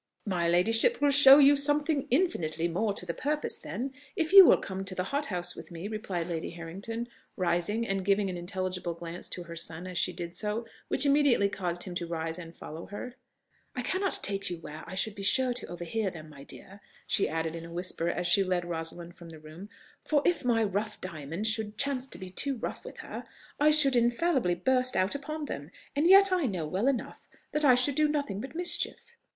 "My ladyship will show you something infinitely more to the purpose, then, if you will come to the hothouse with me," replied Lady Harrington, rising, and giving an intelligible glance to her son as she did so, which immediately caused him to rise and follow her. "I cannot take you where I should be sure to overhear them, my dear," she added in a whisper as she led Rosalind from the room; "for if my rough diamond should chance to be too rough with her, I should infallibly burst out upon them; and yet I know well enough that I should do nothing but mischief."